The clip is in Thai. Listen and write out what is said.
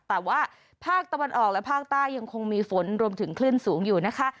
แต่ว่าภาคตะวันออกและภาคใต้ยังคงมีฝนรวมถึงคลื่นสูงอยู่นะคะ